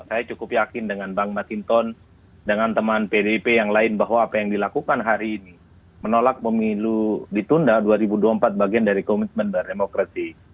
saya cukup yakin dengan bang masinton dengan teman pdip yang lain bahwa apa yang dilakukan hari ini menolak pemilu ditunda dua ribu dua puluh empat bagian dari komitmen berdemokrasi